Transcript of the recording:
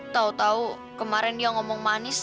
tau tau kemaren dia ngomong manis